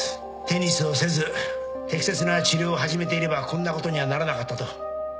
テニスをせず適切な治療を始めていればこんなことにはならなかったと。